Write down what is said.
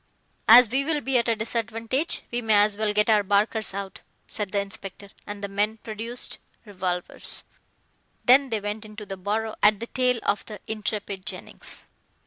"As we will be at a disadvantage, we may as well get our barkers out," said the inspector, and the men produced revolvers. Then they went into the burrow at the tail of the intrepid Jennings.